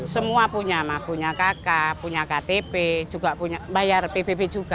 semua punya punya kakak punya ktp juga punya bayar pbb juga